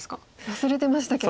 忘れてましたけど。